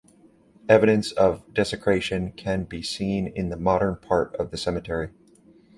Evidence of desecration can be seen in the modern part of the cemetery.